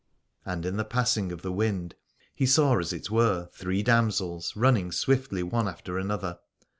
And in the passing of the wind he saw as it were three damsels running swiftly one after another.